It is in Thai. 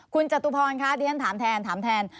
คุณจตุพรณ์คะเดี๋ยวฉันถามแทน